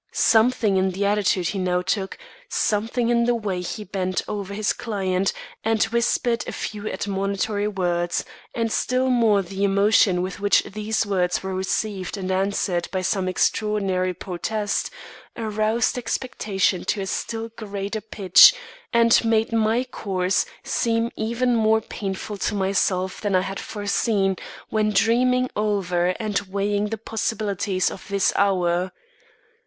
Something in the attitude he now took, something in the way he bent over his client and whispered a few admonitory words, and still more the emotion with which these words were received and answered by some extraordinary protest, aroused expectation to a still greater pitch, and made my course seem even more painful to myself than I had foreseen when dreaming over and weighing the possibilities of this hour.